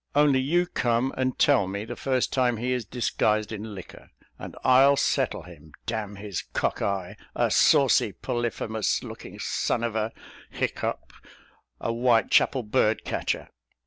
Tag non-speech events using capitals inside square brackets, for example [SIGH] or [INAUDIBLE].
Only you come and tell me the first time he is disguised in liquor, and I'll settle him, d n his cock eye a saucy, Polyphemus looking _son of a _ [HICCUPS] a Whitechapel bird catcher."